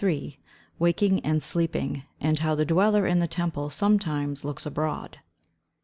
WAKING AND SLEEPING; AND HOW THE DWELLER IN THE TEMPLE SOMETIMES LOOKS ABROAD.